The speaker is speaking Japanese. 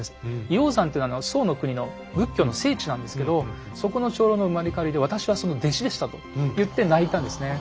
「医王山」というのは宋の国の仏教の聖地なんですけどそこの長老の生まれ変わりで私はその弟子でしたと言って泣いたんですね。